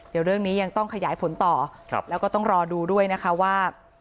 เดี๋ยวเรื่องนี้ยังต้องขยายผลต่อแล้วก็ต้องรอดูด้วยนะคะว่า